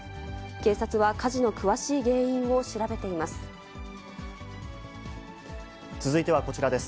警察は火事の詳しい原因を調べて続いてはこちらです。